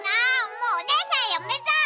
もうおねえさんやめた！